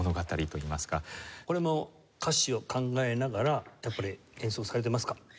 これも歌詞を考えながらやっぱり演奏されてますか？